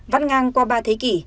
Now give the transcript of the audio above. văn ngang qua ba thế kỷ